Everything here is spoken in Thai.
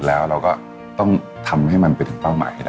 ส่วนความเพียงเราก็ถูกพูดอยู่ตลอดเวลาในเรื่องของความพอเพียง